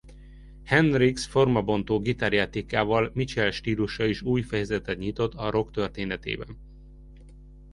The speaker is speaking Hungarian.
Hendrix formabontó gitárjátékával Mitchell stílusa is új fejezetet nyitott a rock történetében.